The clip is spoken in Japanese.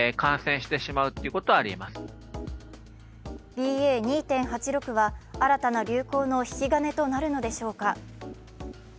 ＢＡ．２．８６は新たな流行の引き金となるのでしょうか。